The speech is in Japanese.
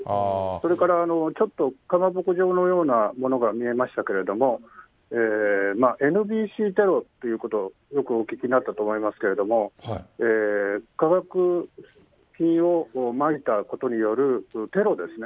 それからちょっとかまぼこ状のようなものが見えましたけれども、ＮＢＣテロということをよくお聞きになったと思いますけれども、化学品をまいたことによるテロですね。